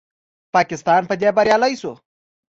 پاکستان په دې بریالی شو